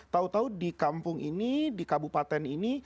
tahu tahu di kampung ini di kabupaten ini